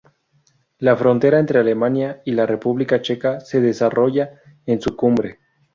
La frontera entre Alemania y la República Checa se desarrolla en su cumbre.